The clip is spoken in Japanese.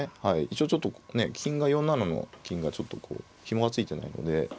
一応ちょっと４七の金がちょっとこうひもが付いてないので。